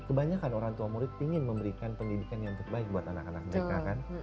kebanyakan orang tua murid ingin memberikan pendidikan yang terbaik buat anak anak mereka kan